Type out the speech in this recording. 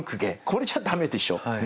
これじゃ駄目でしょう。